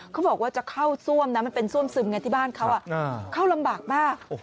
เขาบอกว่าจะเข้าซ่วมนะมันเป็นซ่วมซึมไงที่บ้านเขาเข้าลำบากมาก